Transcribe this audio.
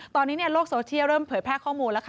ตอนนี้โลกโซเชียลเริ่มเผยแพร่ข้อมูลแล้วค่ะ